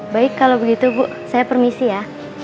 baik kalau begitu bu saya permisi ya